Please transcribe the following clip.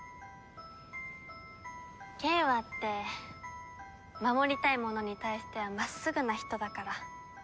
景和って守りたいものに対しては真っすぐな人だから。